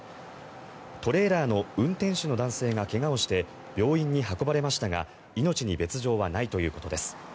トレーラーの運転手の男性が怪我をして病院に運ばれましたが命に別条はないということです。